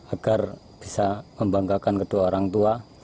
agar bisa membanggakan kedua orang tua